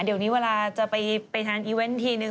เดี๋ยวนี้เวลาจะไปทานอีเวนต์ทีนึง